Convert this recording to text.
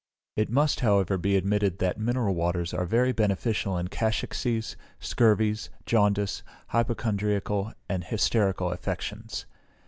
It must, however, be admitted that mineral waters are very beneficial in cachexies, scurvies, jaundice, hypochondriacal and hysterical affections.